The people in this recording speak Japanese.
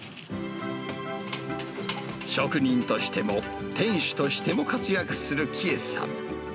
職人としても、店主としても活躍する希衣さん。